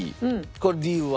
これ理由は？